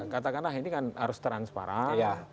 katakanlah ini kan harus transparan